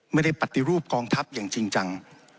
ไม่ได้ปฏิรูปกองทัพอย่างจริงจัง